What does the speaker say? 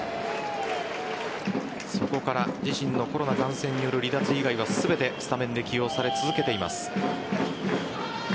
そこから自身のコロナ感染による離脱以外は全てスタメンで起用され続けています。